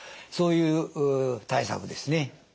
そういう対策ですね。